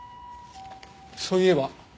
そういえば。